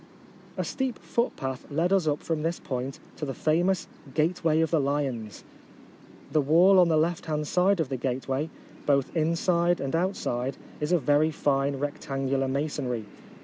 A steep footpath led us up from this point to the famous Gateway of the Lions. The wall on the left hand side of the gateway, both in side and outside, is of very fine rectangular masonry.